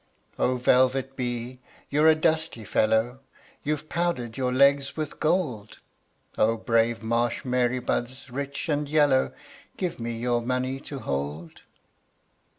O velvet bee, you're a dusty fellow, You've powdered your legs with gold! O brave marsh marybuds, rich and yellow, Give me your money to hold!